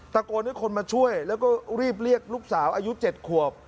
ตะโกนให้คนมาช่วยแล้วก็รีบเรียกลูกสาวอายุ๗ขวบ